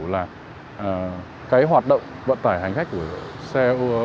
là hoạt động vận tải hành khách của xe ô tô